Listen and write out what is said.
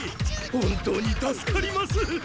本当に助かります。